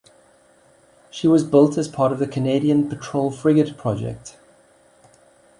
She was built as part of the Canadian Patrol Frigate Project.